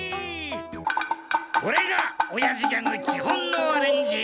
これがおやじギャグの基本のアレンジ！